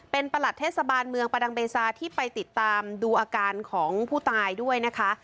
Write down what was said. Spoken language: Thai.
เป็นประหลัดเทศบาลเมืองประดังเบซาที่ไปติดตามดูอาการของผู้ตายด้วยนะคะ